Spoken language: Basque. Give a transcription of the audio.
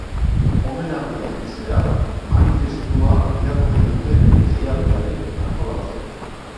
Omenaldian zehar, manifestua irakurri dute deialdiaren antolatzaileek.